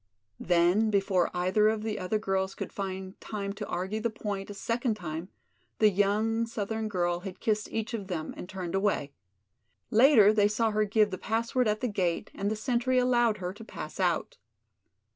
Then before either of the other girls could find time to argue the point a second time, the young southern girl had kissed each of them and turned away. Later they saw her give the password at the gate and the sentry allow her to pass out.